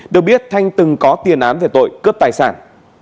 được biết thanh từng có tiền án về tội cướp tài sản